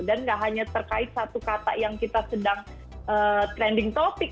dan tidak hanya terkait satu kata yang kita sedang trending topik